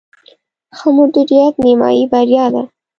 ښه مدیریت، نیمایي بریا ده